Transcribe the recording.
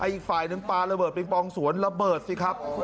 อีกฝ่ายหนึ่งปลาระเบิดปิงปองสวนระเบิดสิครับ